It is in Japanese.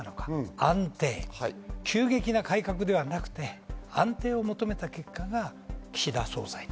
安定、急激な改革ではなくて、安定を求めた結果が岸田総裁。